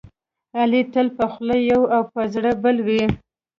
علي تل په خوله یوه او په زړه بله کوي.